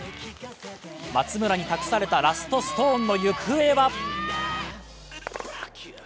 松村に託されたラストストーンの行方は？